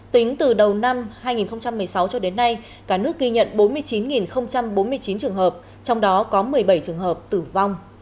tính từ đầu năm hai nghìn một mươi sáu cho đến nay cả nước ghi nhận bốn mươi chín bốn mươi chín trường hợp trong đó có một mươi bảy trường hợp tử vong